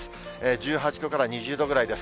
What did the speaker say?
１８度から２０度ぐらいです。